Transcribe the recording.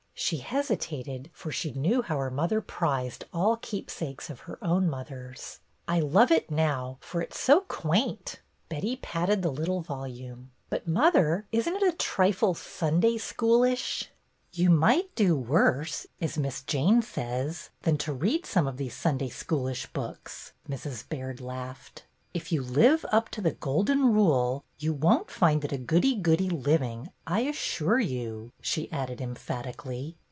She hesitated, for she knew how her mother prized all keepsakes of her own mother's. "I love it now, for it 's so quaint." Betty patted the little volume. '' But, mother, is n't it a trifle Sunday schoolish ?" "You 'might do worse,' as Miss Jane says, than to read some of these 'Sunday schoolish' books," Mrs. Baird laughed. "If you live up to the Golden Rule, you won't find it a goody goody living, I assure you," she added, em phatically.